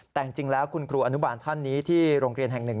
แต่จริงแล้วคุณครูอนุบาลท่านนี้ที่โรงเรียนแห่งหนึ่ง